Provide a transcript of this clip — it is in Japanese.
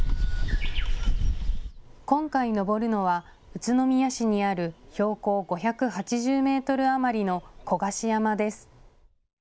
今回登るのは宇都宮市にある標高５８０メートル余りの古賀志山です。